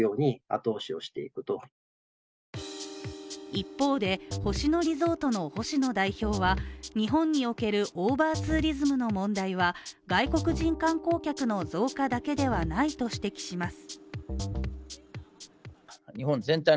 一方で、星野リゾートの星野代表は日本におけるオーバーツーリズムの問題は外国人観光客の増加だけではないと指摘します。